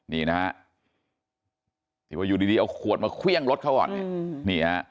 นี่นะฮะที่ว่าอยู่ดีเอาขวดมาเครื่องรถเขาก่อนเนี่ย